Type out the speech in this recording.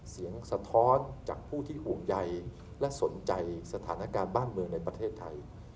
สะท้อนจากผู้ที่ห่วงใยและสนใจสถานการณ์บ้านเมืองในประเทศไทย